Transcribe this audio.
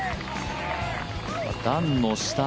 段の下。